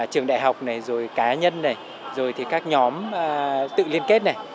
trường đại học này rồi cá nhân này rồi thì các nhóm tự liên kết này